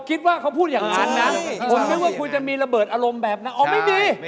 คิดว่าคุณจะมีระเบิดอารมณ์แบบนั้นอ๋อไม่มี